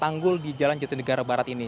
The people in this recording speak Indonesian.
tanggul di jalan jatinegara barat ini